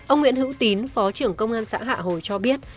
ông nguyễn hữu tín phó trưởng công an xã hạ hồi cho biết